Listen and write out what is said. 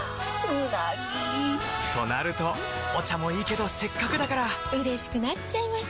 うなぎ！となるとお茶もいいけどせっかくだからうれしくなっちゃいますか！